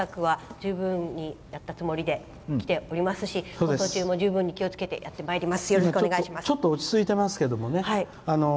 十分にやったつもりで来ておりますし放送中も十分気をつけてやってまいります。